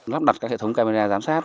lắp đặt các hệ thống camera giám sát